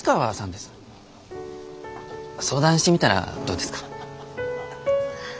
相談してみたらどうですか？